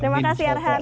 terima kasih arhan